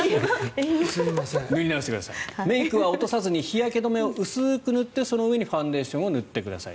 メイクは落とさずに日焼け止めを薄く塗ってその上にファンデーションを塗ってください。